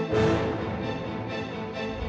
lo sudah nunggu